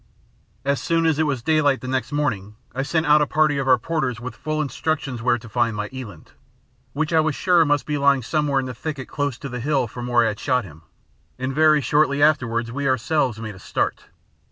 As soon as it was daylight the next morning I sent out a party of our porters with full instructions where to find my eland, which I was sure must be lying somewhere in the thicket close to the hill from where I had shot him; and very shortly afterwards we ourselves made a start.